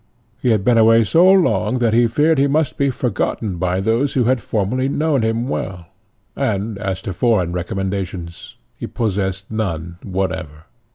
He had been away so long that he feared he must be forgotten by those who had formerly known him well; and, as to foreign recommendations, he possessed none whatever.